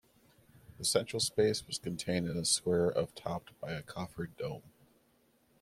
The central space was contained in a square of topped by a coffered dome.